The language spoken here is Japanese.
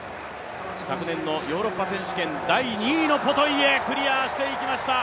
昨年のヨーロッパ選手権第２位のポトイエ、クリアしていきました。